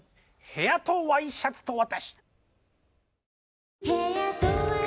「部屋とＹシャツと私」。